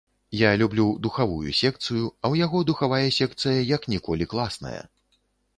Я люблю духавую секцыю, а ў яго духавая секцыя як ніколі класная.